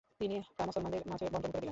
তিনি তা মুসলমানদের মাঝে বন্টন করে দিলেন।